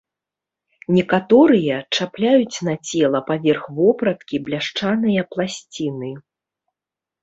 Некаторыя чапляюць на цела паверх вопраткі бляшаныя пласціны.